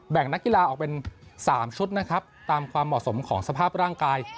นักกีฬาออกเป็น๓ชุดนะครับตามความเหมาะสมของสภาพร่างกาย